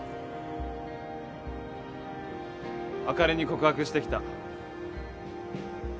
あかりに告白してきた。